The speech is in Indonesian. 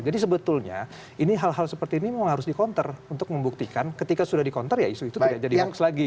jadi sebetulnya ini hal hal seperti ini memang harus di counter untuk membuktikan ketika sudah di counter ya isu itu tidak jadi hoax lagi